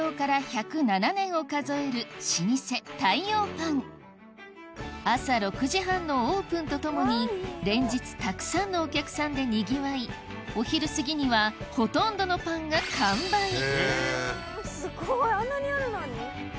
老舗朝６時半のオープンとともに連日たくさんのお客さんでにぎわいお昼過ぎにはほとんどのパンが完売すごいあんなにあるのに？